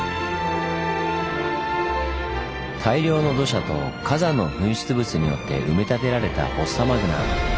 大量の土砂と火山の噴出物によって埋め立てられたフォッサマグナ。